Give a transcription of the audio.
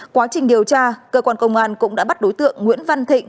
quá trình điều tra cơ quan công an cũng đã bắt đối tượng nguyễn văn thịnh